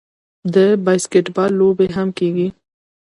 د باسکیټبال لوبې هم کیږي.